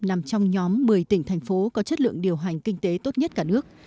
nằm trong nhóm một mươi tỉnh thành phố có chất lượng điều hành kinh tế tốt nhất cả nước